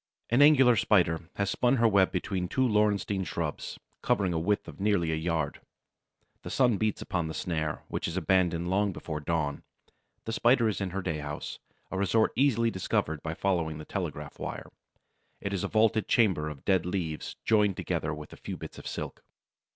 An Angular Spider has spun her web between two laurestine shrubs, covering a width of nearly a yard. The sun beats upon the snare, which is abandoned long before dawn. The Spider is in her day house, a resort easily discovered by following the telegraph wire. It is a vaulted chamber of dead leaves, joined together with a few bits of silk.